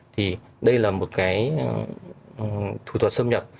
thì đây là một cái thủ thuật xâm nhập